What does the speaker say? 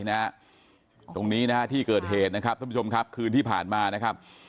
ตรงนี้นะฮะที่เกิดเหตุนะครับท่านผู้ชมครับคืนที่ผ่านมานะครับ